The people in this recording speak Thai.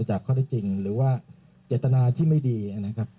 ลองไปฟังจากปากรองผู้ประชาการตำรวจภูทรภาคหนึ่งท่านตอบอย่างไรครับ